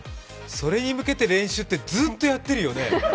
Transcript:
それに向けて練習って、ずっとやってるよね？